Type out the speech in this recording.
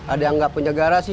ada yang nggak punya garasi